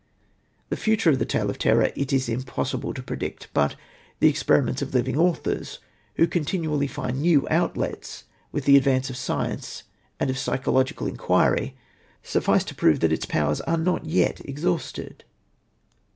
The future of the tale of terror it is impossible to predict; but the experiments of living authors, who continually find new outlets with the advance of science and of psychological enquiry, suffice to prove that its powers are not yet exhausted.